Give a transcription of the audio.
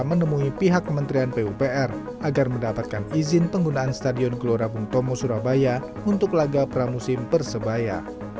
menemui pihak kementerian pupr agar mendapatkan izin penggunaan stadion gelora bung tomo surabaya untuk laga pramusim persebaya